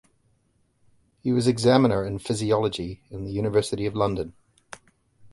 He was examiner in physiology in the University of London.